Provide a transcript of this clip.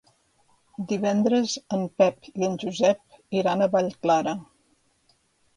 Divendres en Pep i en Josep iran a Vallclara.